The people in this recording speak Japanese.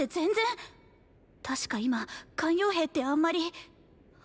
たしか今咸陽兵ってあんまり。